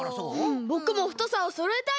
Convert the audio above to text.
ぼくもふとさをそろえたいです！